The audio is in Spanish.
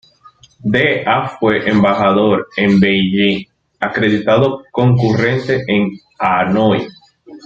De a fue embajador en Beijing, acreditado concurrente en Hanoi.